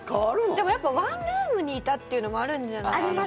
でもやっぱワンルームにいたっていうのもあるんじゃないかな？